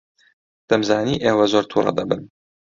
دەمزانی ئێوە زۆر تووڕە دەبن.